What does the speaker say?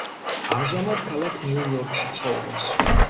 ამჟამად ქალაქ ნიუ-იორკში ცხოვრობს.